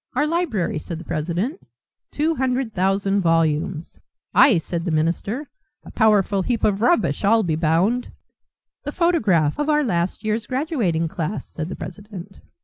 "Our library," said the president, "two hundred thousand volumes!" "Aye," said the minister, "a powerful heap of rubbish, I'll be bound!" "The photograph of our last year's graduating class," said the president.